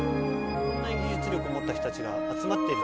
こんなに技術力持った人たちが集まってるっていうのも